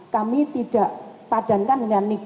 kami tidak padankan dengan nikmat